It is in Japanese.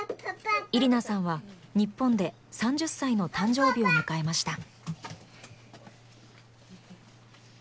イリナさんは日本で３０歳の誕生日を迎えました。